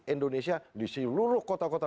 indonesia di seluruh kota kota